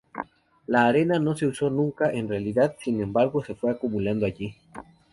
La arena no se usó nunca en realidad, sin embargo, se fue acumulando allí.